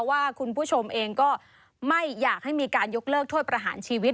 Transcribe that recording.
ว่าคุณผู้ชมเองก็ไม่อยากให้มีการยกเลิกโทษประหารชีวิต